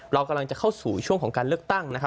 เรากำลังจะเข้าสู่ช่วงของการเลือกตั้ง